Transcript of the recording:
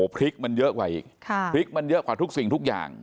พริกมันเยอะกว่าอีกพริกมันเยอะกว่าทุกสิ่งทุกอย่าง